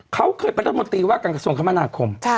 เค้าเคยปฏิบัติวัตรกับส่วนคำว่านาคม